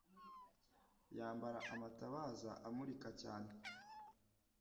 Yambara amatabaza amurika cyane.